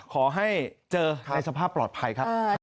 ขอให้เจอในสภาพปลอดภัยครับ